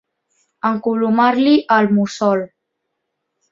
Encolomar-li el mussol.